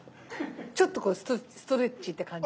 ちょっとストレッチって感じ。